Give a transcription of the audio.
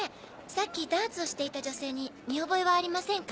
さっきダーツをしていた女性に見覚えはありませんか？